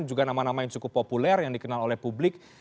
juga nama nama yang cukup populer yang dikenal oleh publik